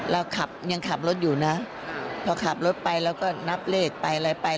เราขับยังขับรถอยู่นะพอขับรถไปเราก็นับเลขไปอะไรไป